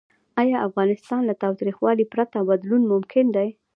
آیا افغانستان کې له تاوتریخوالي پرته بدلون ممکن دی؟